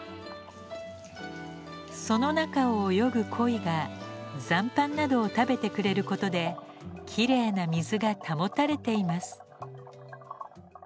その中を泳ぐコイが残飯などを食べてくれることできれいな水が保たれています。